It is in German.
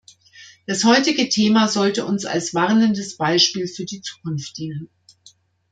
Das heutige Thema sollte uns als warnendes Beispiel für die Zukunft dienen.